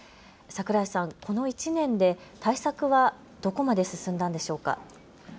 櫻井さん、この１年で対策はどこまで進んだんでしょうか。